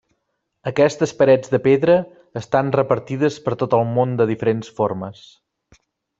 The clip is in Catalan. Aquestes parets de pedra estan repartides per tot el món de diferents formes.